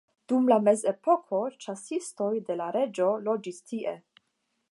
Dum la mezepoko ĉasistoj de la reĝo loĝis tie.